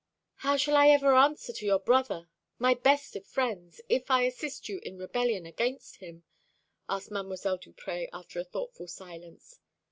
"How shall I ever answer to your brother my best of friends if I assist you in rebellion against him?" asked Mdlle. Duprez, after a thoughtful silence.